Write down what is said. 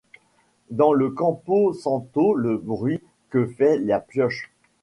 Dans le Campo Santo le bruit que fait la pioche ;